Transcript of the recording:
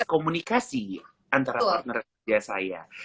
komunikasi antara partner kerja saya